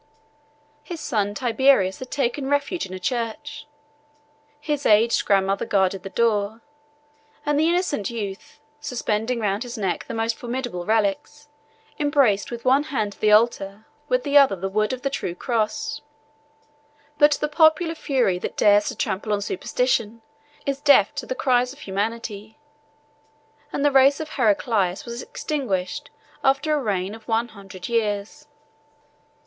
His son Tiberius had taken refuge in a church; his aged grandmother guarded the door; and the innocent youth, suspending round his neck the most formidable relics, embraced with one hand the altar, with the other the wood of the true cross. But the popular fury that dares to trample on superstition, is deaf to the cries of humanity; and the race of Heraclius was extinguished after a reign of one hundred years 1114 (return) [ Of fear rather than of more generous motives. Compare Le Beau vol. xii. p. 64.—M.